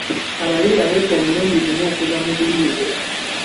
Kabali yabuuka omulundi gumu okuva mu buliri bwe.